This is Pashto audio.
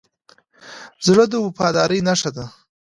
زړه د وفادارۍ نښه ده.